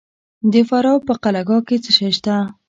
د فراه په قلعه کاه کې څه شی شته؟